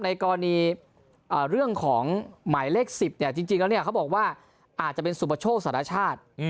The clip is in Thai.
ในกรณีเรื่องของหมายเลข๑๐จริงแล้วเขาบอกว่าอาจจะเป็นสุประโชคสารชาติ